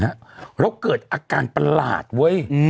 แล้วเกิดอาการประหลาดเว้ย